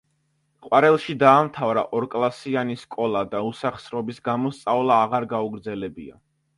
ყვარელში დაამთავრა ორკლასიანი სკოლა და უსახსრობის გამო სწავლა აღარ გაუგრძელებია.